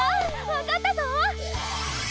わかったぞ！